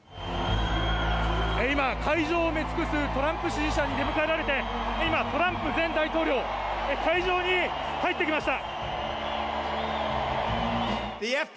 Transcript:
今、会場を埋め尽くすトランプ支持者に出迎えられて今トランプ前大統領、会場に入ってきました。